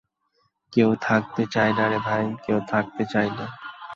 কেউ থাকতে চায় না রে ভাই, কেউ থাকতে চায় না।